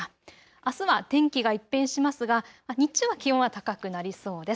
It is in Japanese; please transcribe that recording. あすは天気は一変しますが日中は気温が高くなりそうです。